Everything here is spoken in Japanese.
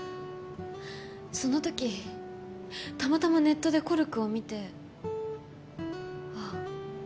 その時たまたまネットでＫＯＲＵＫＵを見てああ